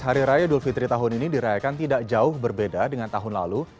hari raya idul fitri tahun ini dirayakan tidak jauh berbeda dengan tahun lalu